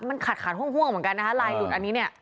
มันขาดขาดห่วงเหมือนกันนะคะลายหลุดอันนี้เนี่ย